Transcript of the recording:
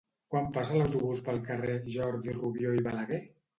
Quan passa l'autobús pel carrer Jordi Rubió i Balaguer?